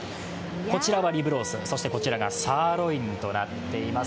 こちらはリブロース、こちらがサーロインとなっています。